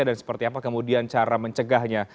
dan seperti apa kemudian cara mencegahnya